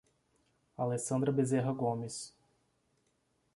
Alessandra Bezerra Gomes